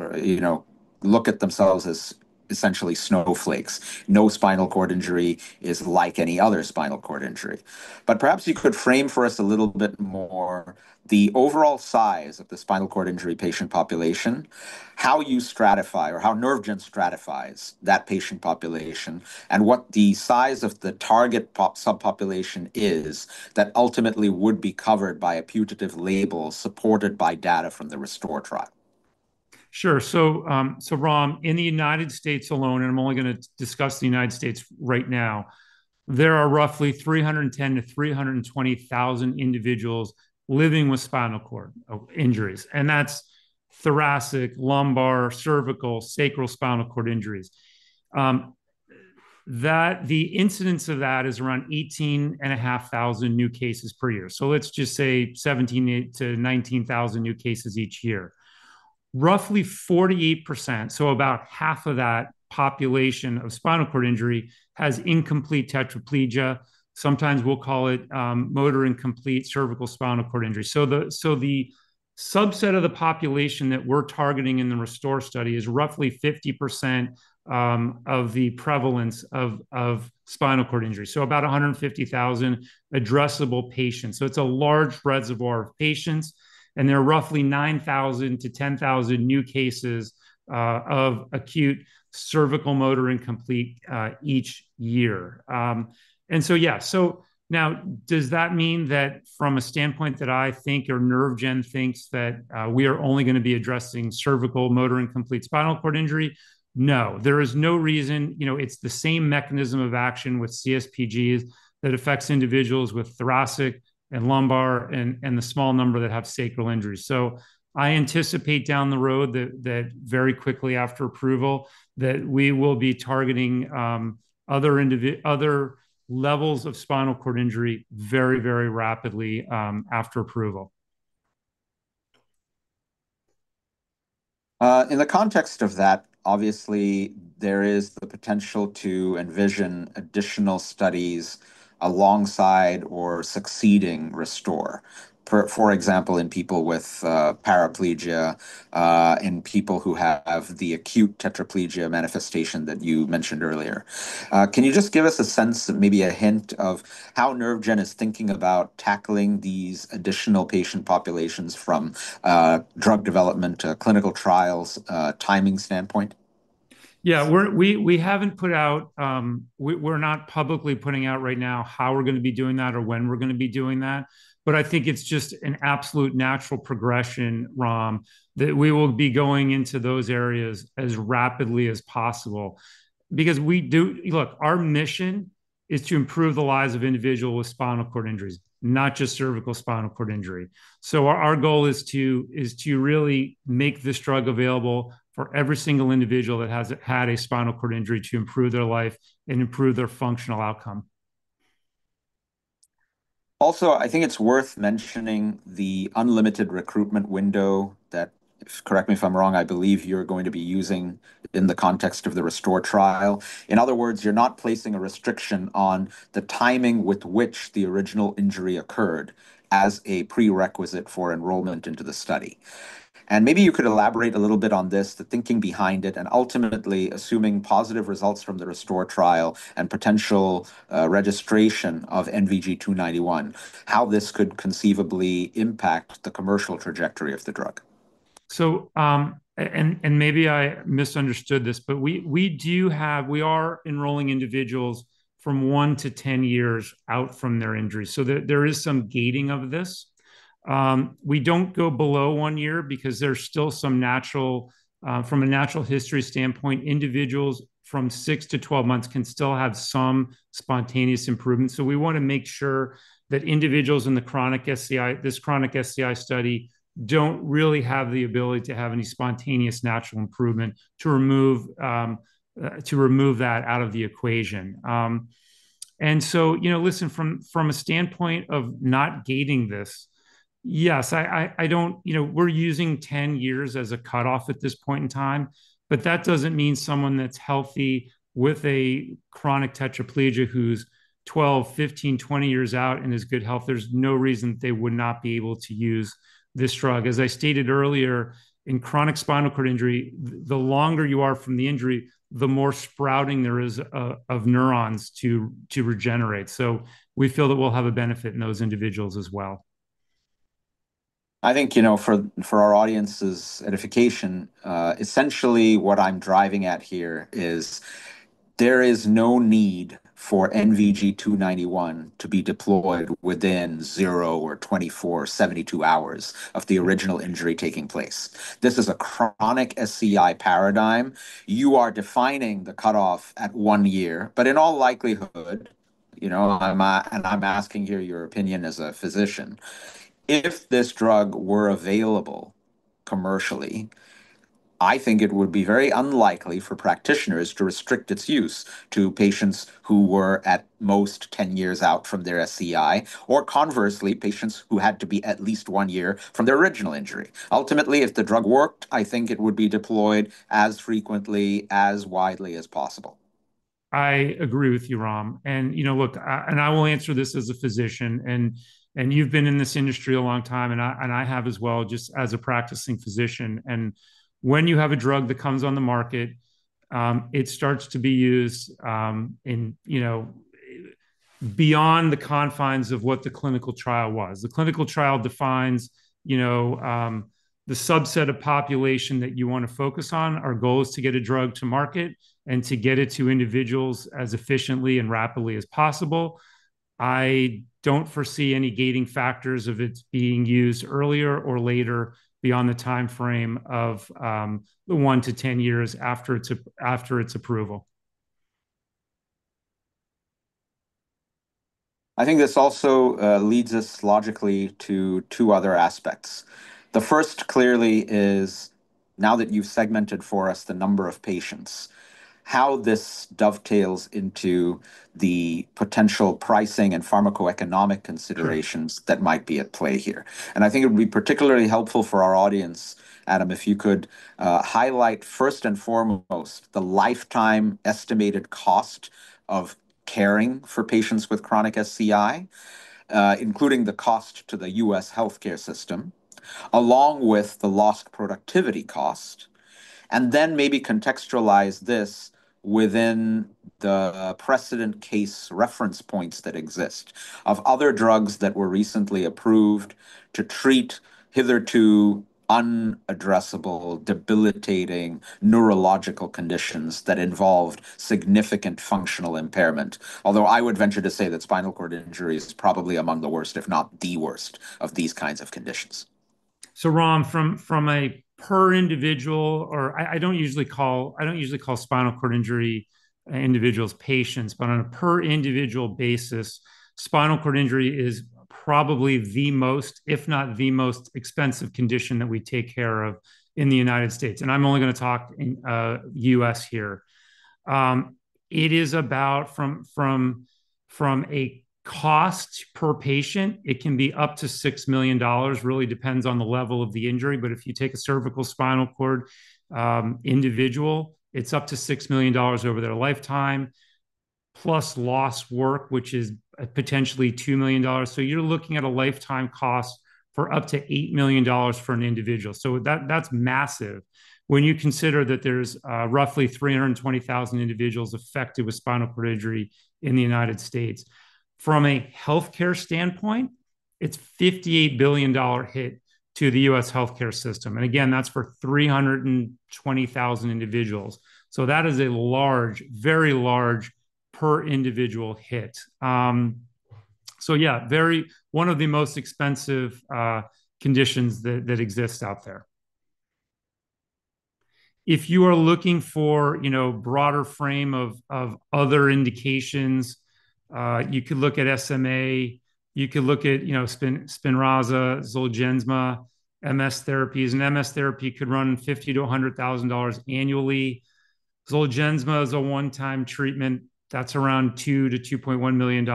look at themselves as essentially snowflakes. No spinal cord injury is like any other spinal cord injury. Perhaps you could frame for us a little bit more the overall size of the spinal cord injury patient population, how you stratify or how NervGen stratifies that patient population, and what the size of the target subpopulation is that ultimately would be covered by a putative label supported by data from the RESTORE trial. Sure. Ram, in the United States alone, I'm only going to discuss the United States right now, there are roughly 310,000 to 320,000 individuals living with spinal cord injuries, and that's thoracic, lumbar, cervical, sacral spinal cord injuries. The incidence of that is around 18,500 new cases per year. Let's just say 17,000 to 19,000 new cases each year. Roughly 48%, about half of that population of spinal cord injury, has incomplete tetraplegia. Sometimes we'll call it motor incomplete cervical spinal cord injury. The subset of the population that we're targeting in the RESTORE study is roughly 50% of the prevalence of spinal cord injury, about 150,000 addressable patients. It's a large reservoir of patients, and there are roughly 9,000 to 10,000 new cases of acute cervical motor incomplete each year. Yeah. Now does that mean that from a standpoint that I think or NervGen thinks that we are only going to be addressing cervical motor incomplete spinal cord injury? No. There is no reason. It's the same mechanism of action with CSPGs that affects individuals with thoracic and lumbar and the small number that have sacral injuries. I anticipate down the road that very quickly after approval, that we will be targeting other levels of spinal cord injury very, very rapidly after approval. In the context of that, obviously, there is the potential to envision additional studies alongside or succeeding RESTORE, for example, in people with paraplegia, in people who have the acute tetraplegia manifestation that you mentioned earlier. Can you just give us a sense, maybe a hint of how NervGen is thinking about tackling these additional patient populations from drug development, clinical trials, timing standpoint? Yeah. We're not publicly putting out right now how we're going to be doing that or when we're going to be doing that, I think it's just an absolute natural progression, Ram, that we will be going into those areas as rapidly as possible. Look, our mission is to improve the lives of individuals with spinal cord injuries, not just cervical spinal cord injury. Our goal is to really make this drug available for every single individual that has had a spinal cord injury to improve their life and improve their functional outcome. Also, I think it's worth mentioning the unlimited recruitment window that, correct me if I'm wrong, I believe you're going to be using in the context of the RESTORE trial. In other words, you're not placing a restriction on the timing with which the original injury occurred as a prerequisite for enrollment into the study. Maybe you could elaborate a little bit on this, the thinking behind it, and ultimately assuming positive results from the RESTORE trial and potential registration of NVG-291, how this could conceivably impact the commercial trajectory of the drug. And maybe I misunderstood this, but we are enrolling individuals from 1 to 10 years out from their injury. There is some gating of this. We don't go below 1 year because there's still some natural, from a natural history standpoint, individuals from 6 to 12 months can still have some spontaneous improvement. We want to make sure that individuals in this chronic SCI study don't really have the ability to have any spontaneous natural improvement to remove that out of the equation. Listen, from a standpoint of not gating this, yes, we're using 10 years as a cutoff at this point in time, but that doesn't mean someone that's healthy with a chronic tetraplegia who's 12, 15, 20 years out and is good health, there's no reason that they would not be able to use this drug. As I stated earlier, in chronic spinal cord injury, the longer you are from the injury, the more sprouting there is of neurons to regenerate. We feel that we'll have a benefit in those individuals as well. I think, for our audience's edification, essentially what I'm driving at here is there is no need for NVG-291 to be deployed within 0 or 24 or 72 hours of the original injury taking place. This is a chronic SCI paradigm. You are defining the cutoff at 1 year, but in all likelihood, and I'm asking here your opinion as a physician, if this drug were available commercially, I think it would be very unlikely for practitioners to restrict its use to patients who were at most 10 years out from their SCI, or conversely, patients who had to be at least 1 year from their original injury. Ultimately, if the drug worked, I think it would be deployed as frequently, as widely as possible. I agree with you, Ram. Look, and I will answer this as a physician, and you've been in this industry a long time, and I have as well, just as a practicing physician. When you have a drug that comes on the market, it starts to be used in beyond the confines of what the clinical trial was. The clinical trial defines the subset of population that you want to focus on. Our goal is to get a drug to market and to get it to individuals as efficiently and rapidly as possible. I don't foresee any gating factors of it being used earlier or later beyond the timeframe of 1 to 10 years after its approval. I think this also leads us logically to two other aspects. The first clearly is, now that you've segmented for us the number of patients, how this dovetails into the potential pricing and pharmacoeconomic considerations. Sure That might be at play here. I think it would be particularly helpful for our audience, Adam, if you could highlight first and foremost the lifetime estimated cost of caring for patients with chronic SCI, including the cost to the U.S. healthcare system along with the lost productivity cost, and then maybe contextualize this within the precedent case reference points that exist of other drugs that were recently approved to treat hitherto unaddressable, debilitating neurological conditions that involved significant functional impairment. Although I would venture to say that spinal cord injury is probably among the worst, if not the worst, of these kinds of conditions. Ram, from a per individual or I don't usually call spinal cord injury individuals patients, but on a per individual basis, spinal cord injury is probably the most, if not the most expensive condition that we take care of in the United States. I'm only going to talk in U.S. here. It is about from a cost per patient, it can be up to $6 million. Really depends on the level of the injury, but if you take a cervical spinal cord individual, it's up to $6 million over their lifetime, plus lost work, which is potentially $2 million. You're looking at a lifetime cost for up to $8 million for an individual. That's massive when you consider that there's roughly 320,000 individuals affected with spinal cord injury in the United States. From a healthcare standpoint, it's a $58 billion hit to the U.S. healthcare system, and again, that's for 320,000 individuals. That is a very large per individual hit. Yeah, one of the most expensive conditions that exist out there. If you are looking for broader frame of other indications, you could look at SMA, you could look at SPINRAZA, Zolgensma, MS therapies. An MS therapy could run $50,000-$100,000 annually. Zolgensma is a one-time treatment that's around $2 million-$2.1 million.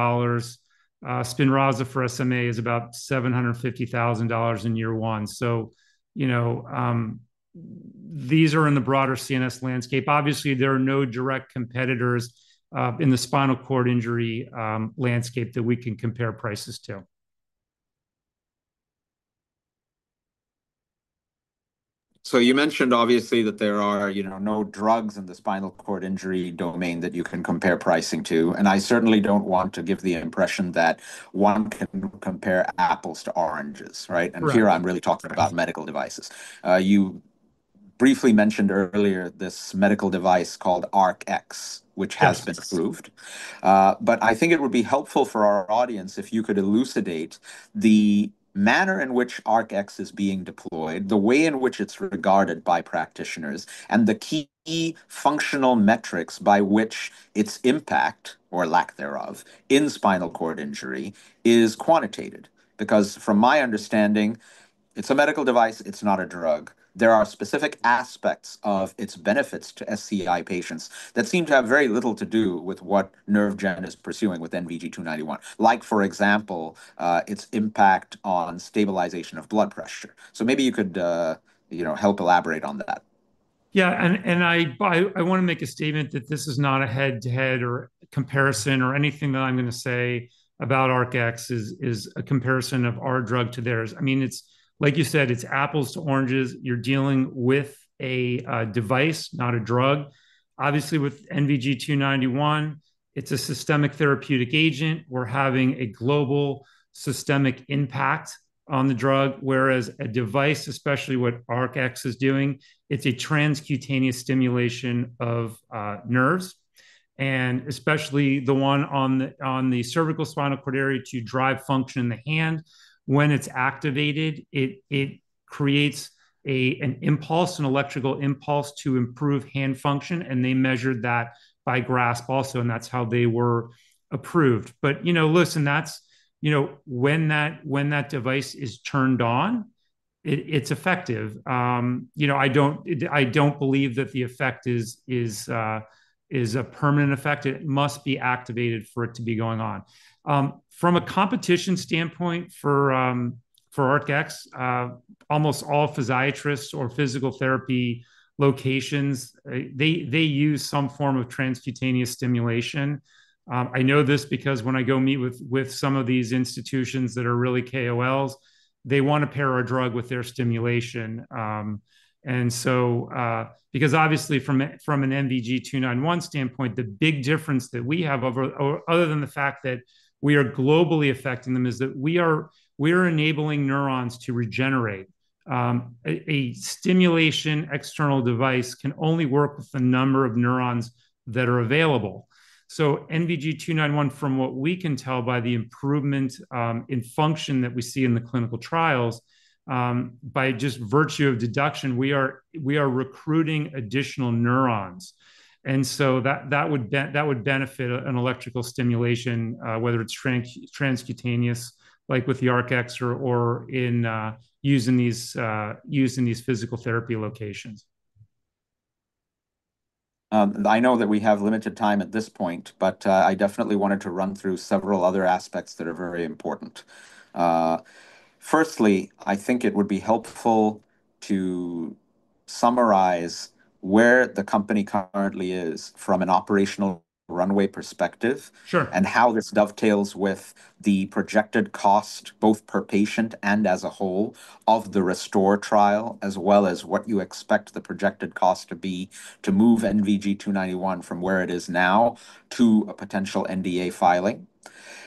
SPINRAZA for SMA is about $750,000 in year one. These are in the broader CNS landscape. Obviously, there are no direct competitors in the spinal cord injury landscape that we can compare prices to. You mentioned obviously that there are no drugs in the spinal cord injury domain that you can compare pricing to, and I certainly don't want to give the impression that one can compare apples to oranges, right? Right. Here I'm really talking about medical devices. You briefly mentioned earlier this medical device called ARC-EX, which has been approved. I think it would be helpful for our audience if you could elucidate the manner in which ARC-EX is being deployed, the way in which it's regarded by practitioners, and the key functional metrics by which its impact, or lack thereof, in spinal cord injury is quantitated. Because from my understanding, it's a medical device, it's not a drug. There are specific aspects of its benefits to SCI patients that seem to have very little to do with what NervGen is pursuing with NVG-291. Like, for example, its impact on stabilization of blood pressure. Maybe you could help elaborate on that. Yeah, I want to make a statement that this is not a head-to-head comparison or anything that I'm going to say about ARC-EX is a comparison of our drug to theirs. Like you said, it's apples to oranges. You're dealing with a device, not a drug. Obviously, with NVG-291, it's a systemic therapeutic agent. We're having a global systemic impact on the drug, whereas a device, especially what ARC-EX is doing, it's a transcutaneous stimulation of nerves, and especially the one on the cervical spinal cord area to drive function in the hand. When it's activated, it creates an impulse, an electrical impulse to improve hand function, and they measured that by GRASSP also, and that's how they were approved. Listen, when that device is turned on, it's effective. I don't believe that the effect is a permanent effect. It must be activated for it to be going on. From a competition standpoint for ARC-EX, almost all physiatrists or physical therapy locations, they use some form of transcutaneous stimulation. I know this because when I go meet with some of these institutions that are really KOLs, they want to pair our drug with their stimulation. Obviously from an NVG-291 standpoint, the big difference that we have, other than the fact that we are globally affecting them, is that we are enabling neurons to regenerate. A stimulation external device can only work with the number of neurons that are available. NVG-291, from what we can tell by the improvement in function that we see in the clinical trials, by just virtue of deduction, we are recruiting additional neurons. that would benefit an electrical stimulation, whether it's transcutaneous like with the ARC-EX or in using these physical therapy locations. I know that we have limited time at this point, but I definitely wanted to run through several other aspects that are very important. Firstly, I think it would be helpful to summarize where the company currently is from an operational runway perspective. Sure. how this dovetails with the projected cost, both per patient and as a whole, of the RESTORE trial, as well as what you expect the projected cost to be to move NVG-291 from where it is now to a potential NDA filing.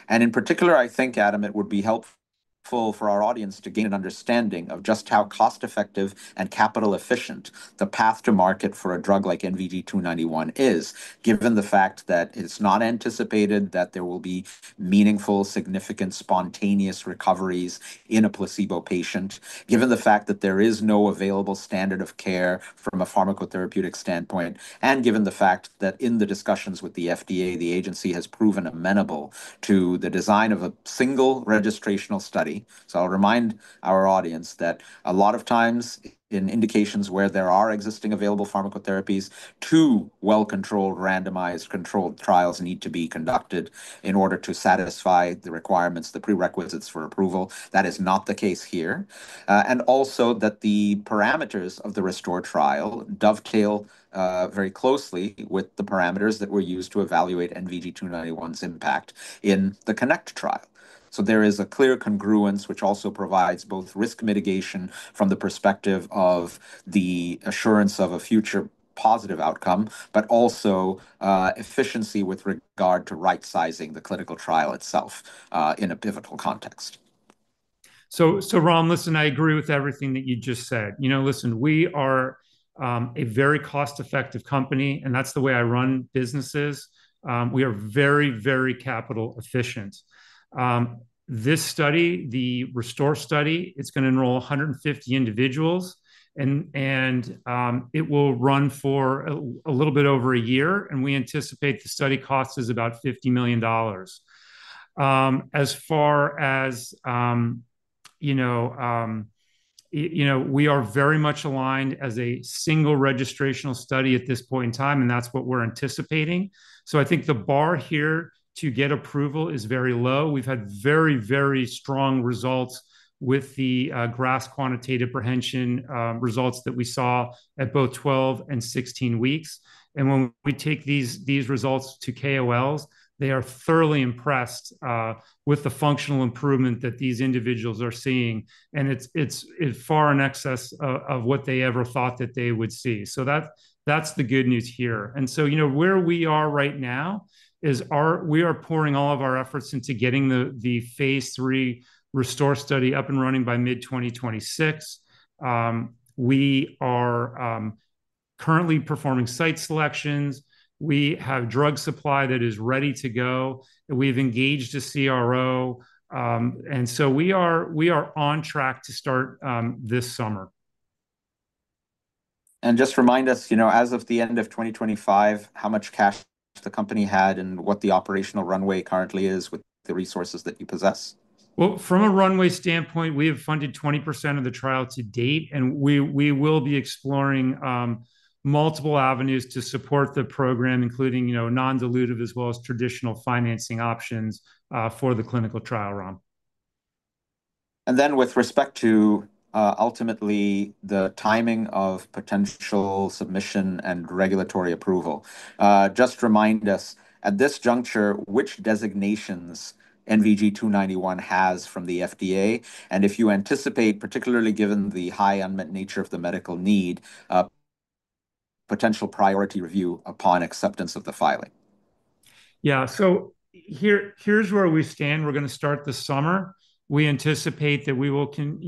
In particular, I think, Adam, it would be helpful for our audience to gain an understanding of just how cost-effective and capital-efficient the path to market for a drug like NVG-291 is, given the fact that it's not anticipated that there will be meaningful, significant, spontaneous recoveries in a placebo patient, given the fact that there is no available standard of care from a pharmacotherapeutic standpoint, and given the fact that in the discussions with the FDA, the agency has proven amenable to the design of a single registrational study. I'll remind our audience that a lot of times in indications where there are existing available pharmacotherapies, two well-controlled randomized controlled trials need to be conducted in order to satisfy the requirements, the prerequisites for approval. That is not the case here. Also that the parameters of the RESTORE trial dovetail very closely with the parameters that were used to evaluate NVG-291's impact in the CONNECT trial. There is a clear congruence, which also provides both risk mitigation from the perspective of the assurance of a future positive outcome, but also efficiency with regard to right-sizing the clinical trial itself in a pivotal context. Ram, listen, I agree with everything that you just said. Listen, we are a very cost-effective company, and that's the way I run businesses. We are very capital-efficient. This study, the RESTORE study, it's going to enroll 150 individuals. It will run for a little bit over a year, and we anticipate the study cost is about 50 million dollars. As far as we are very much aligned as a single registrational study at this point in time, that's what we're anticipating. I think the bar here to get approval is very low. We've had very strong results with the GRASSP quantitative prehension results that we saw at both 12 and 16 weeks. When we take these results to KOLs, they are thoroughly impressed with the functional improvement that these individuals are seeing. It's far in excess of what they ever thought that they would see. That's the good news here. Where we are right now is we are pouring all of our efforts into getting the phase III RESTORE study up and running by mid-2026. We are currently performing site selections. We have drug supply that is ready to go. We've engaged a CRO. We are on track to start this summer. Just remind us, as of the end of 2025, how much cash the company had and what the operational runway currently is with the resources that you possess. From a runway standpoint, we have funded 20% of the trial to date. We will be exploring multiple avenues to support the program, including non-dilutive as well as traditional financing options for the clinical trial, Ram. With respect to ultimately the timing of potential submission and regulatory approval, just remind us at this juncture which designations NVG-291 has from the FDA, and if you anticipate, particularly given the high unmet nature of the medical need, potential priority review upon acceptance of the filing. Yeah. Here's where we stand. We're going to start this summer. We anticipate that we will end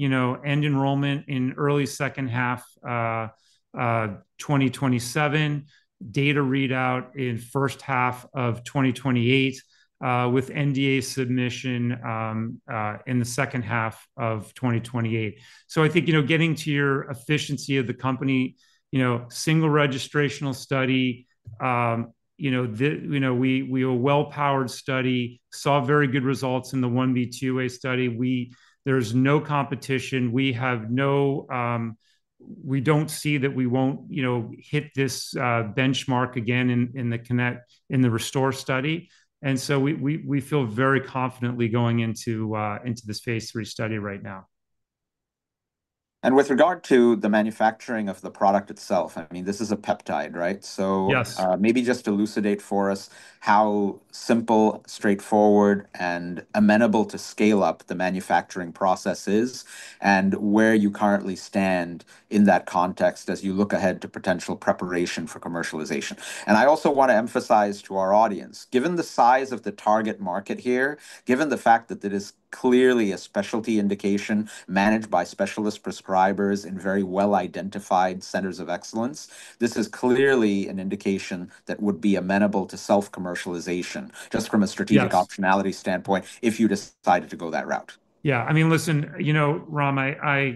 enrollment in early second half 2027, data readout in first half of 2028, with NDA submission in the second half of 2028. I think, getting to your efficiency of the company, single registrational study. We are a well-powered study, saw very good results in the phase I-B/IIa study. There's no competition. We don't see that we won't hit this benchmark again in the RESTORE study. We feel very confidently going into this phase III study right now. With regard to the manufacturing of the product itself, this is a peptide, right? Yes. Maybe just elucidate for us how simple, straightforward, and amenable to scale up the manufacturing process is, and where you currently stand in that context as you look ahead to potential preparation for commercialization. I also want to emphasize to our audience, given the size of the target market here, given the fact that it is clearly a specialty indication managed by specialist prescribers in very well-identified centers of excellence, this is clearly an indication that would be amenable to self-commercialization just from a strategic. Yes optionality standpoint if you decided to go that route. Yeah. Listen, Ram,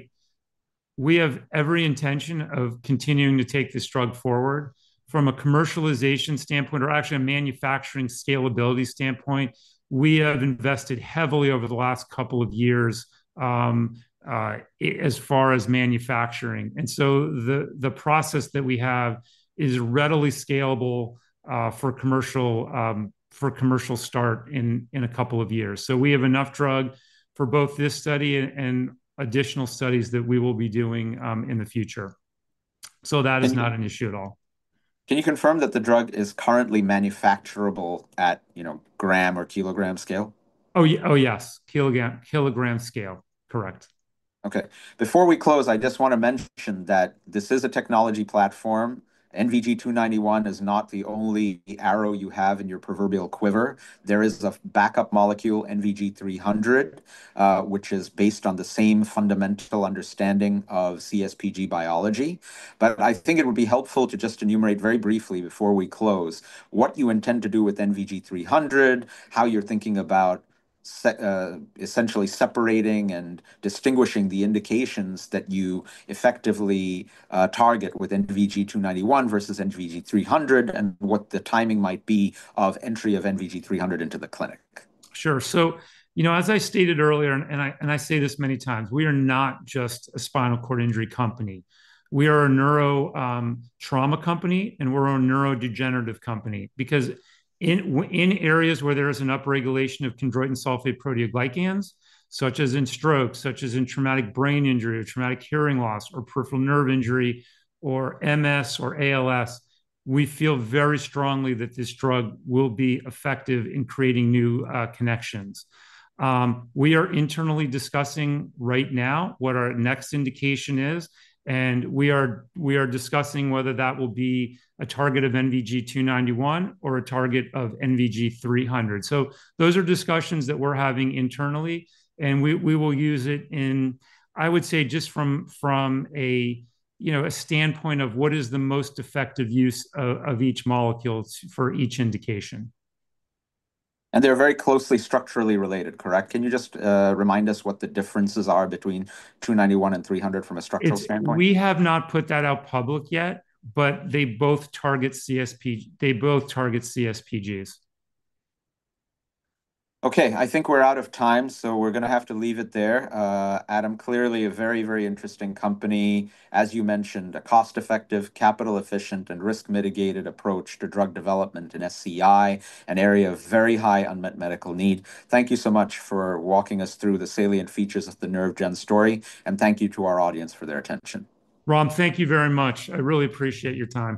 we have every intention of continuing to take this drug forward. From a commercialization standpoint or actually a manufacturing scalability standpoint, we have invested heavily over the last couple of years as far as manufacturing. The process that we have is readily scalable for a commercial start in a couple of years. We have enough drug for both this study and additional studies that we will be doing in the future. That is not an issue at all. Can you confirm that the drug is currently manufacturable at gram or kilogram scale? Oh, yes. Kilogram scale. Correct. Okay. Before we close, I just want to mention that this is a technology platform. NVG-291 is not the only arrow you have in your proverbial quiver. There is a backup molecule, NVG-300, which is based on the same fundamental understanding of CSPG biology. I think it would be helpful to just enumerate very briefly before we close what you intend to do with NVG-300, how you're thinking about essentially separating and distinguishing the indications that you effectively target with NVG-291 versus NVG-300, and what the timing might be of entry of NVG-300 into the clinic. Sure. As I stated earlier, and I say this many times, we are not just a spinal cord injury company. We are a neurotrauma company, and we're a neurodegenerative company. Because in areas where there is an upregulation of chondroitin sulfate proteoglycans, such as in stroke, such as in traumatic brain injury or traumatic hearing loss or peripheral nerve injury or MS or ALS, we feel very strongly that this drug will be effective in creating new connections. We are internally discussing right now what our next indication is, and we are discussing whether that will be a target of NVG-291 or a target of NVG-300. Those are discussions that we're having internally, and we will use it in, I would say, just from a standpoint of what is the most effective use of each molecule for each indication. They're very closely structurally related, correct? Can you just remind us what the differences are between 291 and 300 from a structural standpoint? We have not put that out public yet, they both target CSPGs. Okay. I think we're out of time. We're going to have to leave it there. Adam, clearly a very, very interesting company. As you mentioned, a cost-effective, capital-efficient, and risk-mitigated approach to drug development in SCI, an area of very high unmet medical need. Thank you so much for walking us through the salient features of the NervGen story, and thank you to our audience for their attention. Ram, thank you very much. I really appreciate your time.